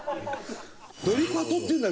ドリパトっていうんだ？